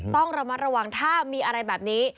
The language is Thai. ต้องระมัดระวังถ้ามีอะไรแบบนี้